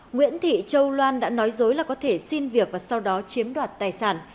nguyễn thị châu loan đã nói dối là có thể xin việc và sau đó chiếm đoạt tài sản